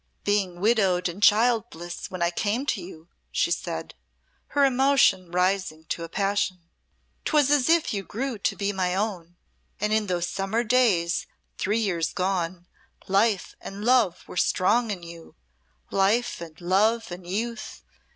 "Being widowed and childless when I came to you," she said, her emotion rising to a passion, "'twas as if you grew to be my own and in those summer days three years gone, life and love were strong in you life and love and youth.